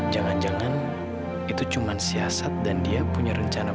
jangan jangan itu cuma siasat dan dia punya rencana